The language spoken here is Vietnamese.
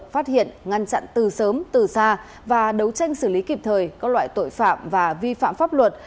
phát hiện ngăn chặn từ sớm từ xa và đấu tranh xử lý kịp thời các loại tội phạm và vi phạm pháp luật